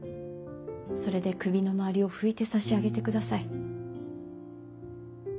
それで首の周りを拭いてさしあげてください。